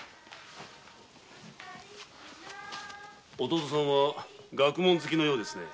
弟さんは学問好きのようですね。